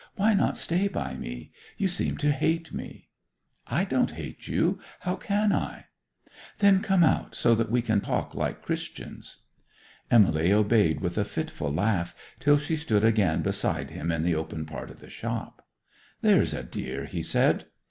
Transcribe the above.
Why not stay by me? You seem to hate me.' 'I don't hate you. How can I?' 'Then come out, so that we can talk like Christians.' Emily obeyed with a fitful laugh, till she stood again beside him in the open part of the shop. 'There's a dear,' he said.